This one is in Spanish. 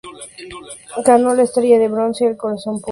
Ganó la Estrella de Bronce y el Corazón Púrpura.